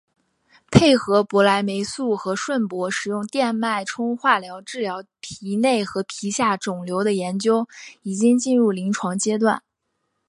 配合博莱霉素和顺铂使用电脉冲化疗治疗皮内和皮下肿瘤的研究已经进入临床阶段。